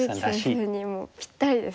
一力先生にもぴったりですよね。